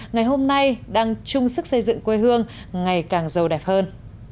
ngày hôm nay đang chung sức xây dựng quê hương ngày càng giàu đẹp hơn